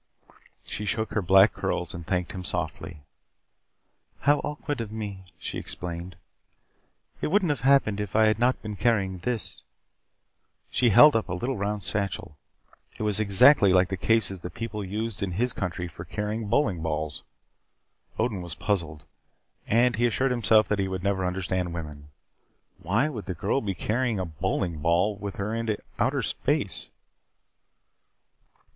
She shook her black curls and thanked him softly. "How awkward of me," she explained. "It wouldn't have happened if I had not been carrying this " She held up a little round satchel. It was exactly like the cases that people used in his country for carrying bowling balls. Odin was puzzled. And he assured himself that he would never understand women. Why would the girl be carrying a bowling ball with her into outer space?